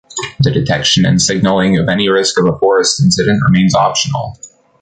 The detection and signaling of any risk of a forest incident remains optional.